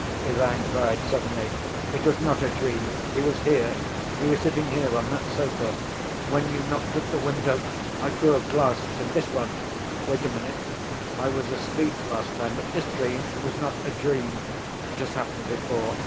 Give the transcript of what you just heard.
Ivan cried suddenly. "It was not a dream. He was here; he was sitting here, on that sofa. When you knocked at the window, I threw a glass at him ... this one. Wait a minute. I was asleep last time, but this dream was not a dream. It has happened before.